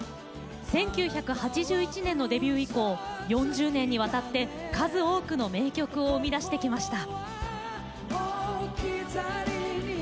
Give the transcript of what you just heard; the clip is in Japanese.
１９８１年のデビュー以降４０年にわたって数多くの名曲を生み出してきました。